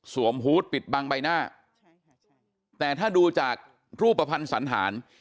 ฮูตปิดบังใบหน้าแต่ถ้าดูจากรูปภัณฑ์สันธาร